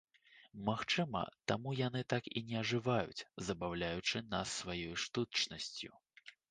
Магчыма, таму яны так і не ажываюць, забаўляючы нас сваёй штучнасцю.